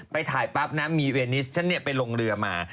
ไปถ่ายปั๊บนะมีเวนิสฉันไปลงเรือมา